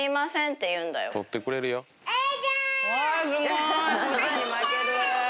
あすごい。